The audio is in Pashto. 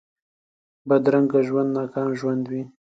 بدرنګه ژوند ناکام ژوند وي